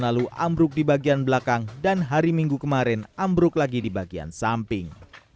lalu ambruk di bagian belakang dan hari minggu kemarin ambruk lagi di bagian samping